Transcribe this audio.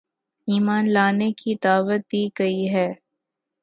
ایمان لانے کی دعوت دی گئی ہے